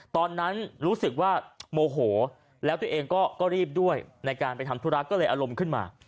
ตอนนั้นรู้สึกว่าโมโหแล้วตัวเองก็รีบด้วยในการไปทำธุระก็เลยอารมณ์ขึ้นมา